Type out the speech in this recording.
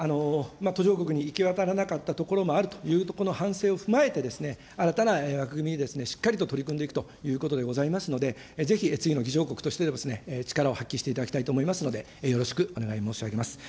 途上国に行き渡らなかった所もあるというこの反省を踏まえて、新たな枠組み、しっかりと取り組んでいくということでございますので、ぜひ次の議長国としても力を発揮していただきたいと思いますので、よろしくお願い申し上げます。